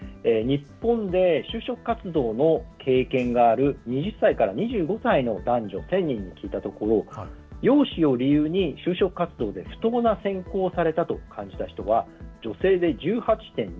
日本で、就職活動の経験がある２０歳から２５歳の男女１０００人に聞いたところ容姿を理由に就職活動で不当な選考をされたと感じた人は女性で１８．２％。